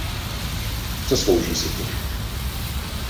Zaslouží si to.